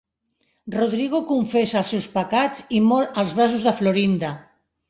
Rodrigo confessa els seus pecats i mor als braços de Florinda.